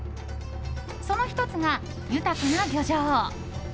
その１つが、豊かな漁場。